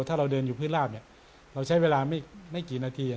ถ้าเราเดินอยู่พื้นราบเนี่ยเราใช้เวลาไม่กี่นาที